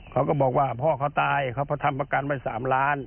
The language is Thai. เขาก็บอกว่าพ่อเขาตายเขาก็ทำประกันไว้๓ล้าน